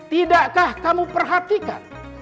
tidakkah kamu perhatikan